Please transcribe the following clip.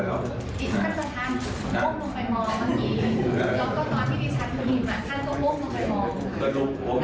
แล้วก็มองไปมอง